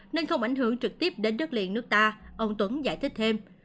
nên không ảnh hưởng trực tiếp đến đất liền nước ta ông tuấn giải thích thêm